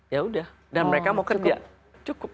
ya udah dan mereka mau kerja cukup